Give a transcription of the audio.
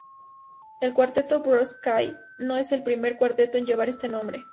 El Cuarteto Brodsky no es el primer cuarteto en llevar este nombre.